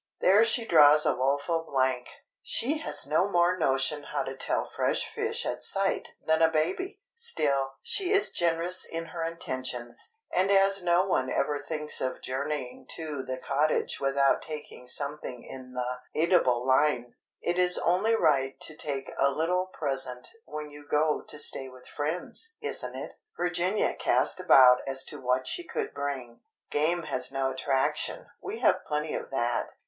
There she draws a woeful blank: she has no more notion how to tell fresh fish at sight than a baby! Still, she is generous in her intentions, and as no one ever thinks of journeying to the cottage without taking something in the eatable line—it is only right to take a little present when you go to stay with friends, isn't it?—Virginia cast about as to what she could bring. Game has no attraction—we have plenty of that.